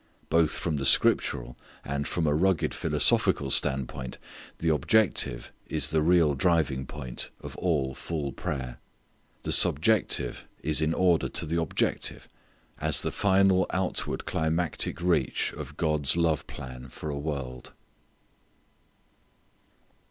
Both from the scriptural, and from a rugged philosophical standpoint the objective is the real driving point of all full prayer. The subjective is in order to the objective, as the final outward climactic reach of God's great love plan for a world.